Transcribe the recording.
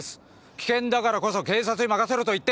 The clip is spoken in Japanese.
危険だからこそ警察に任せろと言ってるんです！